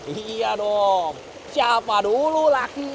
iya dong siapa dulu laki laki